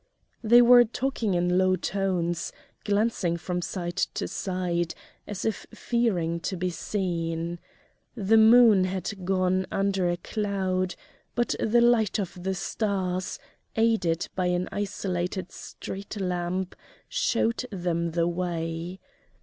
They were talking in low tones, glancing from side to side, as if fearing to be seen. The moon had gone under a cloud, but the light of the stars, aided by an isolated street lamp, showed them the way.